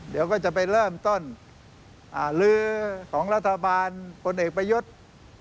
เดี๋ยวก็จะไปเริ่มต้นลื้อของรัฐบาลพลเอกประยุทธ์